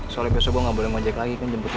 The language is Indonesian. soalnya besok gua gak boleh ngajak lagi kan jemput lo